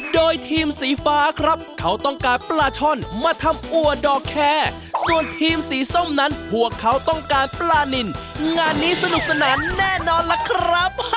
โดยทีมสีฟ้าครับเขาต้องการปลาช่อนมาทำอัวดอกแคร์ส่วนทีมสีส้มนั้นพวกเขาต้องการปลานินงานนี้สนุกสนานแน่นอนล่ะครับ